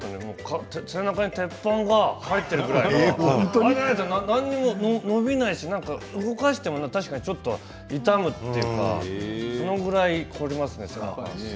背中に鉄板が入っているぐらいの何にも伸びないし動かしてもちょっと痛むというかそのくらい凝りますね。